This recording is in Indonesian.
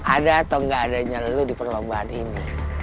ada atau gak adanya lo di perlombaan ini